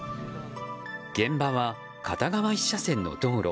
現場は片側１車線の道路。